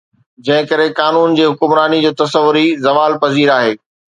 جنهن ڪري قانون جي حڪمراني جو تصور ئي زوال پذير آهي